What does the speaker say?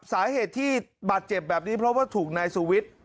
สาเหตุที่บัตรเจ็บแบบนี้เพราะว่าถูกในสวิตซ์